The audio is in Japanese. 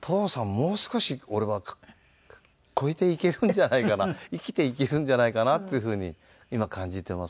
もう少し俺は超えていけるんじゃないかな生きていけるんじゃないかなっていう風に今感じてます。